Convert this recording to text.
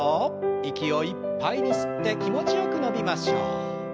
息をいっぱいに吸って気持ちよく伸びましょう。